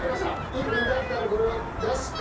１分経ったらこれを出して？